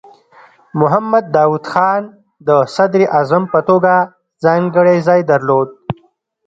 محمد داؤد خان د صدراعظم په توګه ځانګړی ځای درلود.